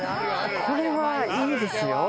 これはいいですよ。